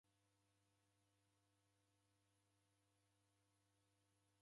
W'andu w'anugha tuu sa ng'ondi.